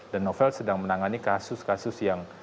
dan novel sedang menangani kasus kasus yang